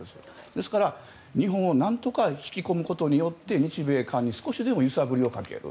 ですから日本をなんとか引き込むことで日米韓に少しでも揺さぶりをかける。